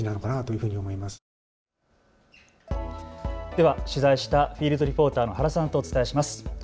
では取材したフィールドリポーターの原さんとお伝えします。